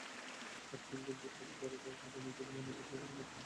Shirt, pant, গেঞ্জি ইত্যাদি থরে থরে সাজিয়ে নিশ্চিন্ত মনে বেচাকেনা করছেন হকাররা।